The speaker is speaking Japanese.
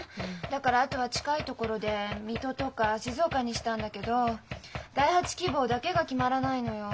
だからあとは近い所で水戸とか静岡にしたんだけど第８希望だけが決まらないのよ。